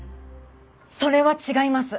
それは違います。